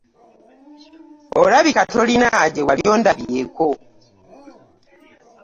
Olabika tolina gye wali ondabyeko.